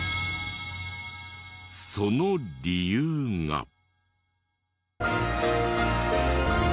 その理由が。